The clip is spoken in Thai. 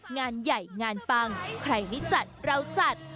งานใหญ่งานปังใครไม่จัดเราจัด